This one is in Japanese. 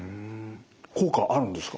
効果はあるんですか？